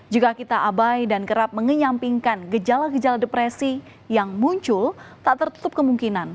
jika kita abai dan kerap mengenyampingkan gejala gejala depresi yang muncul tak tertutup kemungkinan